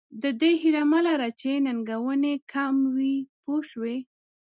د دې هیله مه لره چې ننګونې کم وي پوه شوې!.